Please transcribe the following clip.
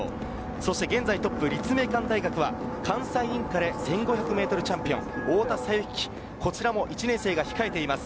そして現在トップ・立命館大学は関西インカレ１５００ｍチャンピオン・太田咲雪、こちらも１年生が控えています。